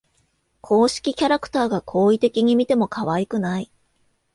公式キャラクターが好意的に見てもかわいくない